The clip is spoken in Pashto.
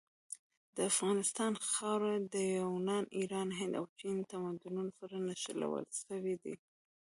د افغانستان خاوره د یونان، ایران، هند او چین تمدنونو سره نښلول سوي ده.